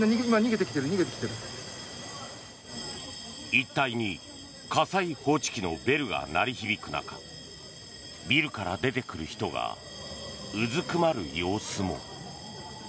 一帯に火災報知機のベルが鳴り響く中ビルから出てくる人がうずくまる様子も。